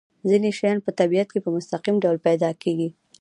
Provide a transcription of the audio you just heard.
ځینې شیان په طبیعت کې په مستقیم ډول پیدا کیږي.